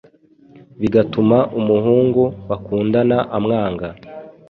bigatuma umuhungu bakundana amwanga